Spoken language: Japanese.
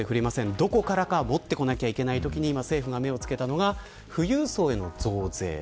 どこからか持ってこなければいけないときに政府が目をつけたのが富裕層への増税。